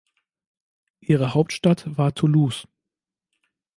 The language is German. Ihre Hauptstadt war Toulouse.